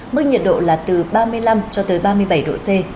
mức nhiệt độ là từ ba mươi năm ba mươi bảy độ c